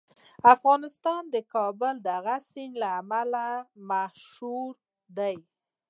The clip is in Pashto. افغانستان د کابل د دغه سیند له امله مشهور دی.